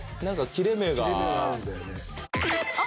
切れ目があるんだよね。